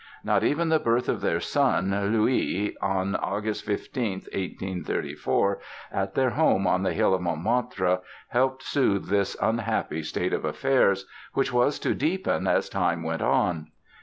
Not even the birth of their son, Louis, on August 15, 1834, at their home on the hill of Montmartre helped smooth this unhappy state of affairs, which was to deepen as time went on.